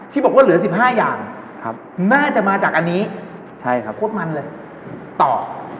ที่บอกว่าเหลือ๑๕อย่างน่าจะมาจากอันนี้โคตรมันเลยต่อใช่